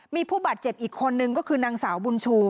มีผู้บาดเจ็บอีกคนนึงก็คือนางสาวบุญชู